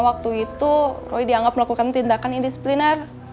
waktu itu roy dianggap melakukan tindakan indispliner